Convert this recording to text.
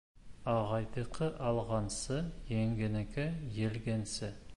Ағайҙыҡы алғансы, еңгәнеке елгәнсе.